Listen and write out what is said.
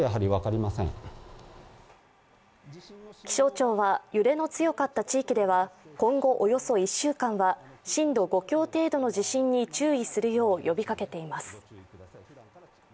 気象庁は、揺れの強かった地域では今後およそ１週間は震度５強程度の地震に注意するよう呼びかけています。